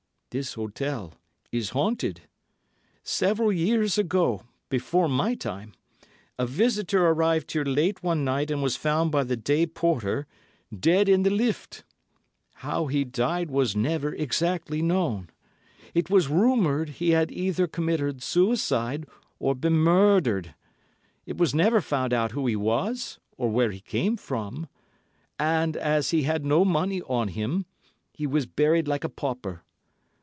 This hotel is haunted. Several years ago, before my time, a visitor arrived here late one night and was found by the day porter dead in the lift. How he died was never exactly known; it was rumoured he had either committed suicide or been murdered. It was never found out who he was or where he came from, and, as he had no money on him, he was buried like a pauper.